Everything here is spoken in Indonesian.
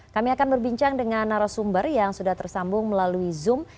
kami akan berbincang dengan narasumber yang sudah tersambung melalui zoom